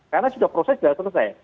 karena sudah proses sudah selesai